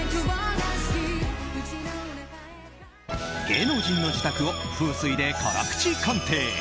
芸能人の自宅を風水で辛口鑑定。